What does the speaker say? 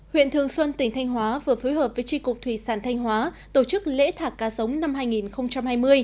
huyện thường xuân tỉnh thanh hóa vừa phối hợp với tri cục thủy sản thanh hóa tổ chức lễ thả cá giống năm hai nghìn hai mươi